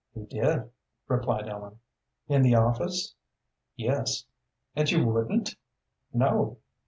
"He did," replied Ellen. "In the office?" "Yes." "And you wouldn't?" "No."